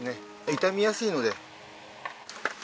傷みやすいので。